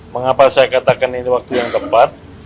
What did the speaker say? mengapa saya katakan ini waktu yang tepat